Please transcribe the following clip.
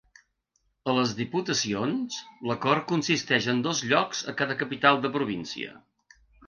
A les diputacions l’acord consisteix en dos llocs a cada capital de província.